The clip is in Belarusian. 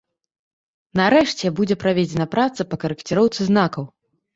Нарэшце, будзе праведзена праца па карэкціроўцы знакаў.